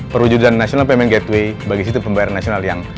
perwujudan national payment gateway bagi sistem pembayaran nasional yang